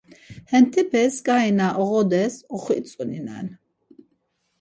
Hentepes ǩai na oğodes oxitzoninen.